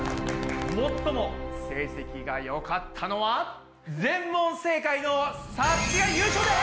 最も成績がよかったのは全問正解のさつきが優勝です！